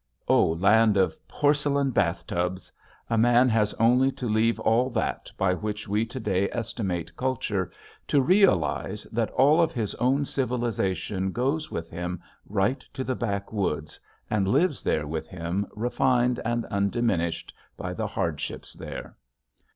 Oh land of porcelain bath tubs! A man has only to leave all that by which we to day estimate culture to realize that all of his own civilization goes with him right to the back woods, and lives there with him refined and undiminished by the hardships there.